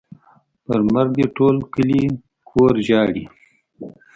پر مرګ دې ټوله کلي کور ژاړي.